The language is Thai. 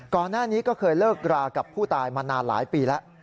ก่อนหน้านี้ก็เคยเลิกรากับผู้ตายมานานหลายปีแล้ว